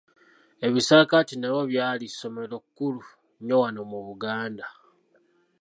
Ebisaakaate nabyo byali ssomero kkulu nnyo wano mu Buganda.